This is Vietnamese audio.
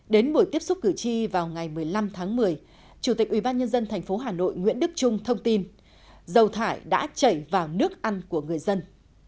đến buổi tiếp xúc cử tri vào ngày một mươi năm tháng một mươi chủ tịch ubnd tp hà nội nguyễn đức trung thông tin dầu thải đã chảy vào nước ăn của người dân